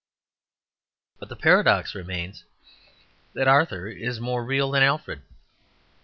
But the paradox remains that Arthur is more real than Alfred.